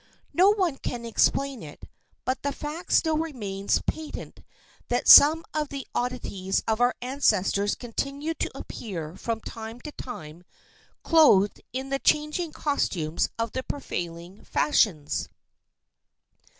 No one can explain it, but the fact still remains patent that some of the oddities of our ancestors continue to appear from time to time clothed in the changing costumes of the prevailing fashions.